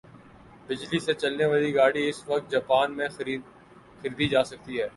بجلی سے چلنے والی گاڑی اس وقت جاپان میں خریدی جاسکتی ھے